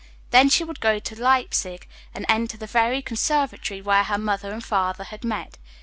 Then she would go to Leipsig and enter the very conservatory where her mother and father had met.